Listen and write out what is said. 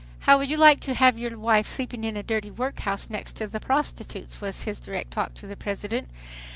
"How would you like to have your wife sleep in a dirty workhouse next to prostitutes?" was his direct talk to the President.